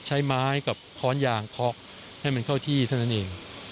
ใช้ไม้กับค้อนยางเคาะให้มันเข้าที่เท่านั้นเอง